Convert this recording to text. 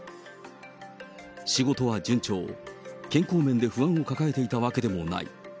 仕事は順調、健康面で不安を抱えていたわけでもない。